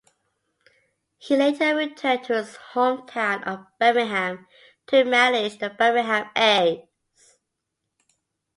He later returned to his hometown of Birmingham to manage the Birmingham A's.